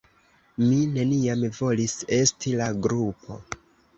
Mi neniam volis "esti" la grupo.